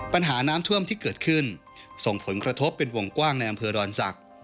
ปัญหาน้ำท่วมที่เกิดขึ้นส่งผลกระทบเป็นวงกว้างในอำเภอดอนศักดิ์